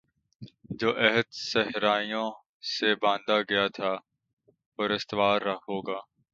جو عہد صحرائیوں سے باندھا گیا تھا پر استوار ہوگا